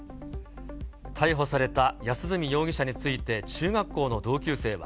逮捕された安栖容疑者について、中学校の同級生は。